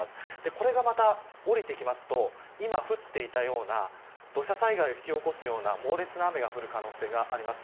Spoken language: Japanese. これがまた下りてきますと今降っていたような土砂災害を引き起こすような猛烈な雨が降る可能性があります。